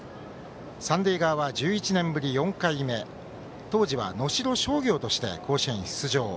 三塁側は１１年ぶり４回目当時は能代商業として甲子園に出場。